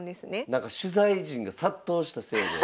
なんか取材陣が殺到したせいで。